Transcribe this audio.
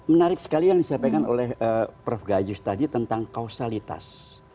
menarik sekali yang disampaikan oleh prof gayus tadi tentang kausalitas